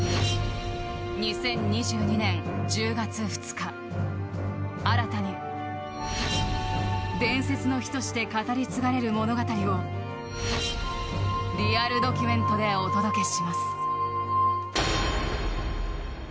２０２２年１０月２日新たに伝説の日として語り継がれる物語をリアルドキュメントでお届けします。